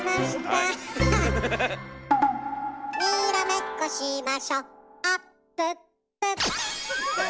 「にらめっこしましょ」「あっぷっぷ」